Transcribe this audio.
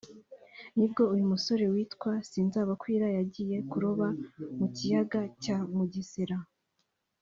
nibwo uyu musore witwa Sinzabakwira yagiye kuroba mu kiyaga cya Mugesera